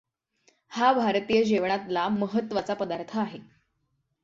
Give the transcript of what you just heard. हा भारतीय जेवणातला महत्त्वाचा पदार्थ आहे.